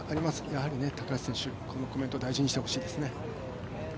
やはり高橋選手、このコメント大事にしてほしいですね。